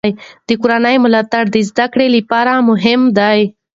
د کورنۍ ملاتړ د زده کړې لپاره مهم دی.